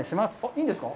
いいんですか？